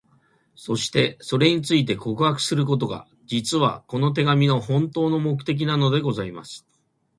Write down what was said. そして、それについて、告白することが、実は、この手紙の本当の目的なのでございます。